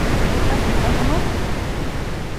Ad ten-tamneḍ?